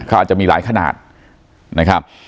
เขาอาจจะมีหลายขนาดนะครับ